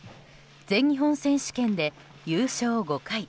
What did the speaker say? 全日本選手権で優勝５回。